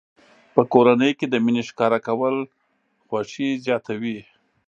په کورنۍ کې د مینې ښکاره کول خوښي زیاتوي.